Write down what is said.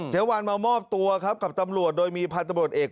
เจ๊วันมามอบตัวครับคำตำรวจโดยมีผลัดตำรวจเอก